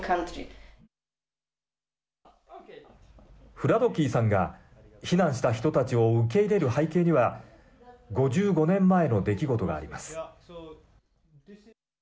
フラドキーさんが避難した人たちを受け入れる背景には５５年前の出来事があります。